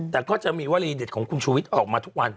แต่ก็จะมีวลีเด็ดของคุณชูวิทย์ออกมาทุกวัน